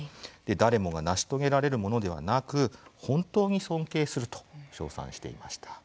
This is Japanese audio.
誰もが成し遂げられるものではなく、本当に尊敬する」と賞賛していました。